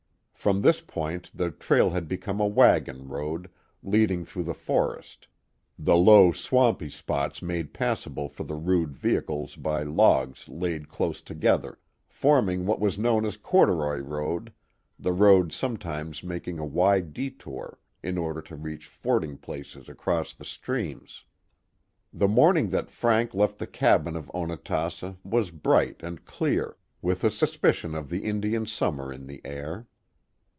From this point the trail had become a wagon road, leading through the forest; the low swampy spots made passable for the rude vehicles by logs laid close together, forming what was known as corduroy road, the road sometimes making a wide detour in order to reach ford ing places across the streams. The morning that Frank left the cabin of Onatassa was bright and clear, with a suspicion of the Indian summer in the air.